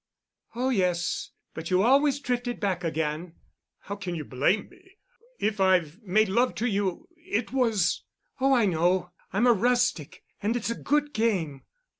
"Oh, yes, but you always drifted back again." "How can you blame me? If I've made love to you, it was——" "Oh, I know. I'm a rustic, and it's a good game."